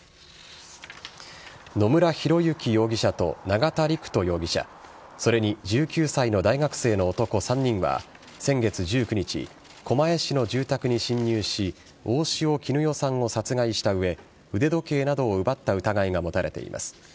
野村広之容疑者と永田陸人容疑者それに１９歳の大学生の男３人は先月１９日狛江市の住宅に侵入し大塩衣与さんを殺害した上腕時計などを奪った疑いが持たれています。